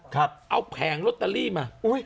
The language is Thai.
เอาแผงแฮงลด์ตะลี่มา